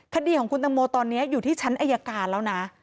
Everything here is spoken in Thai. คดีของคุณตังโมตอนนี้อยู่ที่ชั้นอายการแล้วนะ